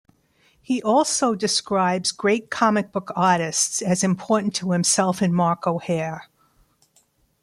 He also describes "great comic book artists" as important to himself and Mark O'Hare.